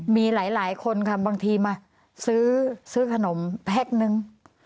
มีหลายคนค่ะบางทีมาซื้อขนมแพ็คนึง